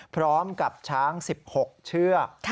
พร้อมกับช้างสิบหกเชือก